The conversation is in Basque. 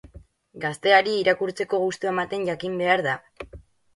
Gazteari irakurtzeko gustua ematen jakin behar da.